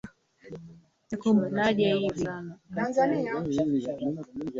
nzuri za kusafiri fikiria vivutio vidogo vya